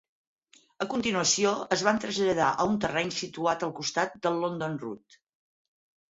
A continuació, es van traslladar a un terreny situat al costat de London Road.